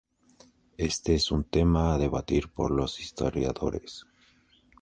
Este es un tema a debatir por los historiadores.